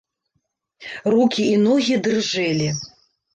Рукі і ногі дрыжэлі.